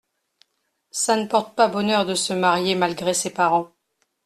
Ça ne porte pas bonheur de se marier malgré ses parents.